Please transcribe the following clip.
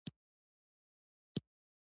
تیاره ځي